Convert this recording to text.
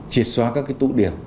chiệt xóa các tụ điểm